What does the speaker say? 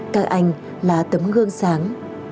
các anh là tấm gương sáng